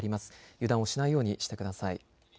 油断をしないようにしてください。